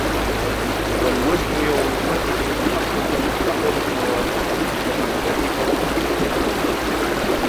والوزن يومئذ الحق فمن ثقلت موازينه فأولئك هم المفلحون